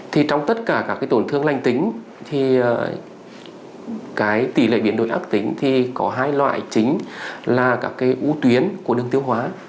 thì trong tất cả các tổn thương lành tính thì cái tỷ lệ biến đổi ác tính thì có hai loại chính là các cái ưu tuyến của đường tiêu hóa